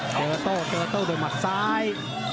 เจอแล้วโตเจอแล้วโตโดยหมัดซ้าย